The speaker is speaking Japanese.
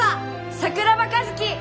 桜庭和希！